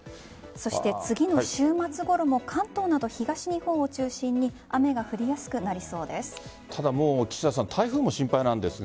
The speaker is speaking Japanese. そして次の週末頃も関東など東日本を中心に雨が降りやすくなりそうです。